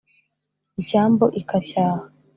Icyambu ikacyaha